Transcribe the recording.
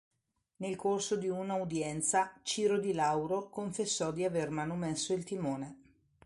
Nel corso di una udienza, Ciro Di Lauro confessò di aver manomesso il timone.